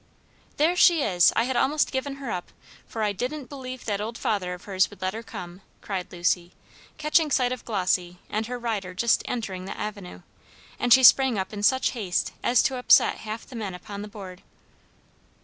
"There she is! I had almost given her up; for I didn't believe that old father of hers would let her come," cried Lucy, catching sight of Glossy and her rider just entering the avenue; and she sprang up in such haste as to upset half the men upon the board.